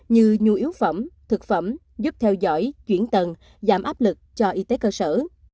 như nhu yếu phẩm thực phẩm giúp theo dõi chuyển tầng giảm áp lực cho y tế cơ sở